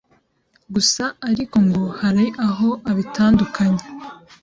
Gusa ariko ngo hari aho abitandukanya